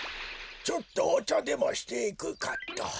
ちょっとおちゃでもしていくかっと。